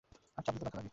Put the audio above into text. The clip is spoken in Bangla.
আর চাপ দিলে ব্যথা লাগে।